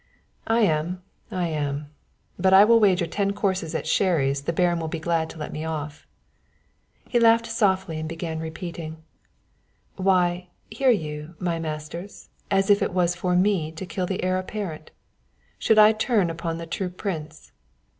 "I am, I am! But I will wager ten courses at Sherry's the Baron will be glad to let me off." He laughed softly and began repeating: "'Why, hear you, my masters: was it for me to kill the heir apparent? Should I turn upon the true prince?